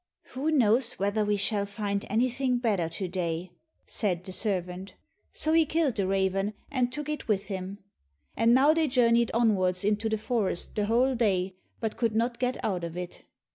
"Who knows whether we shall find anything better to day?" said the servant; so he killed the raven, and took it with him. And now they journeyed onwards into the forest the whole day, but could not get out of it.